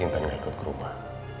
intan enggak ikut kerubah